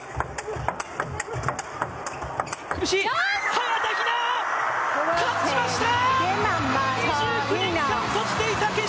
早田ひな、勝ちました！